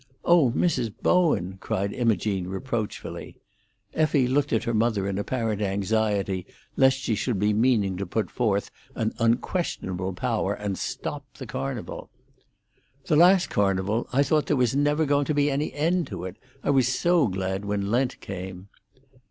"O Mrs. Bowen!" cried Imogene reproachfully; Effie looked at her mother in apparent anxiety lest she should be meaning to put forth an unquestionable power and stop the Carnival. "The last Carnival, I thought there was never going to be any end to it; I was so glad when Lent came."